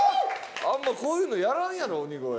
あんまこういうのやらんやろ鬼越。